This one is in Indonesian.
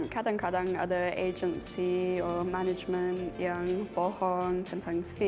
kadang kadang ada agensi atau manajemen yang bohong tentang vee